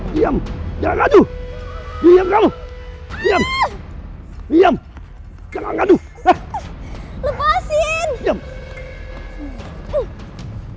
diam jangan aduh diam kamu diam diam jangan aduh lepasin